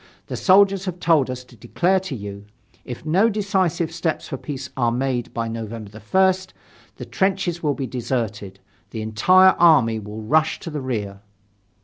The soldiers have told us to declare to you: if no decisive steps for peace are made by November 1st, the trenches will be deserted, the entire army will rush to the rear!"